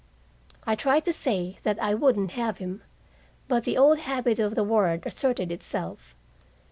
I tried to say that I wouldn't have him, but the old habit of the ward asserted itself.